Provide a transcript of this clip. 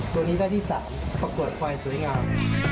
ตัวนี้ได้ที่๓ประกวดควายสวยงาม